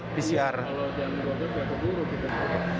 kalau jawa bali enggak keburu